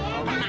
gak akan dok